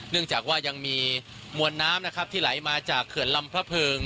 เนื่องจากว่ายังมีมวลน้ำนะครับที่ไหลมาจากเขื่อนลำพระเพิง